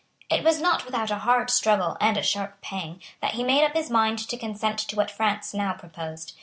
It was not without a hard struggle and a sharp pang that he made up his mind to consent to what France now proposed.